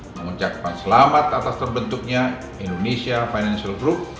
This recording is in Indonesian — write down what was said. mengucapkan selamat atas terbentuknya indonesia financial group